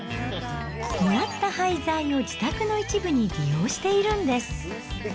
もらった廃材を自宅の一部に利用しているんです。